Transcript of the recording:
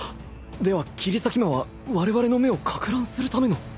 では切り裂き魔はわれわれの目をかく乱するための？